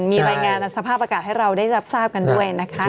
มีรายงานสภาพอากาศให้เราได้รับทราบกันด้วยนะคะ